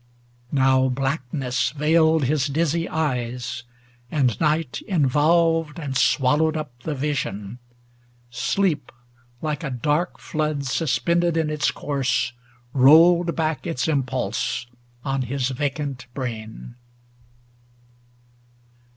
Now blackness veiled his dizzy eyes, and night Involved and swallowed up the vision ; sleep, 189 Like a dark flood suspended in its course. Rolled back its impulse on his vacant brain.